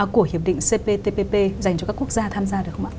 của hiệp định cptpp dành cho các quốc gia tham gia được không ạ